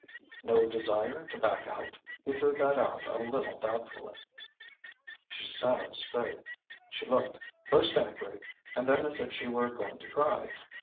"No desire to back out?" he threw that out a little doubtfully. She sat up straight. She looked, first angry, and then as if she were going to cry.